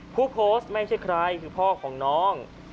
ผู้โพส่ไม่ชิดใครถึงพ่อของน้อง